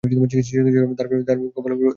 তাঁর কপাল ও নাক ফেটে রক্ত বের হয়।